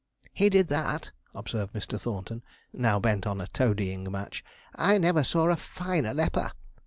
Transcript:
'He did that,' observed Mr. Thornton, now bent on a toadying match. 'I never saw a finer lepper.'